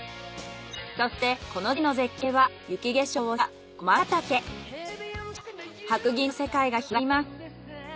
そしてこの時期の絶景は雪化粧をした白銀の世界が広がります。